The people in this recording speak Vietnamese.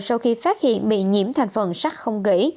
sau khi phát hiện bị nhiễm thành phần sắt không gãy